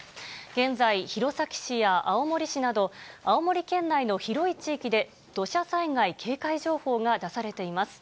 現在、弘前市や青森市など、青森県内の広い地域で土砂災害警戒情報が出されています。